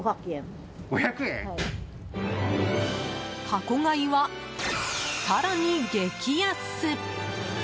箱買いは、更に激安！